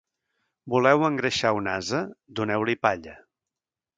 Voleu engreixar un ase? Doneu-li palla.